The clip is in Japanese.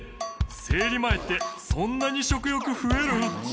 生理前ってそんなに食欲増えるん？